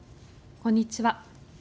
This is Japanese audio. こんにちは。